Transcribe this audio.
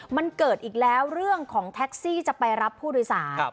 มันเกิดอีกแล้วเรื่องของแท็กซี่จะไปรับผู้โดยสาร